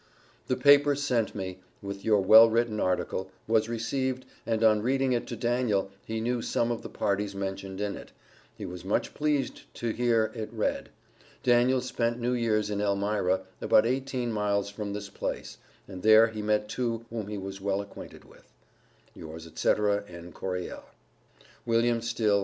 The paper sent me, with your well written article, was received, and on reading it to Daniel, he knew some of the parties mentioned in it he was much pleased to hear it read. Daniel spent New Year's in Elmira, about 18 miles from this place, and there he met two whom he was well acquainted with. Yours, &c., N. CORYELL. WM. STILL, Esq., Phila.